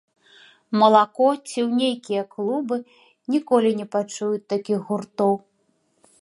Малако, ці ў нейкія клубы, ніколі не пачуюць такіх гуртоў.